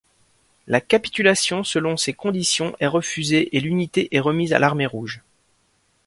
La capitulation selon ses conditions est refusée et l'unité est remise à l'Armée rouge.